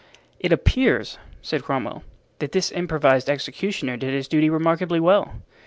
"It appears," said Cromwell, "that this improvised executioner did his duty remarkably well.